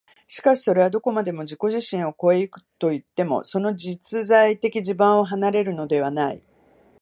しかしそれはどこまでも自己自身を越え行くといっても、その実在的地盤を離れるのではない。